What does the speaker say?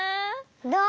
どう？